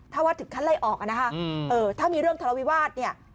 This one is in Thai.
ถ้าว่าถึงขั้นไล่ออกนะคะถ้ามีเรื่องทะเลาวิวาสเนี่ย